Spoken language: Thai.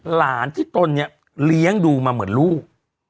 หลานที่ตนเนี่ยเลี้ยงดูมาเหมือนลูก